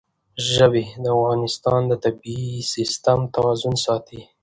ژبې د افغانستان د طبعي سیسټم توازن ساتي.